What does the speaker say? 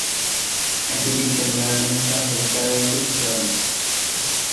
Acidic environments are hostile to sperm.